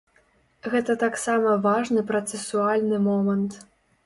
Гэта таксама важны працэсуальны момант.